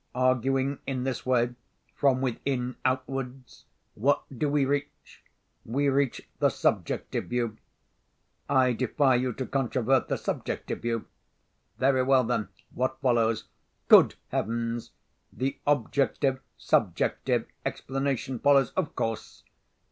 Arguing in this way, from within outwards, what do we reach? We reach the Subjective view. I defy you to controvert the Subjective view. Very well then—what follows? Good Heavens! the Objective Subjective explanation follows, of course!